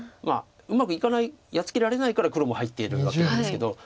うまくいかないやっつけられないから黒も入ってるわけですけど。